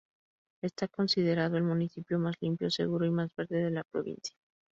Está considerado el municipio más limpio, seguro y más verde de la provincia.